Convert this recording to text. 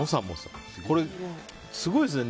すごいですね